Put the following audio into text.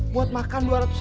buat makan dua ratus